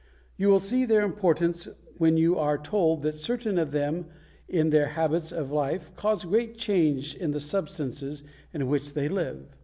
You will see their importance when you are told that certain of them in their habits of life cause great change in the substances in which they live.